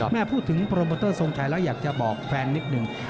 พูดถึงโปรโมเตอร์ทรงชัยแล้วอยากจะบอกแฟนนิดหนึ่ง